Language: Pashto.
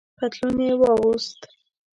پتلون یې واغوست.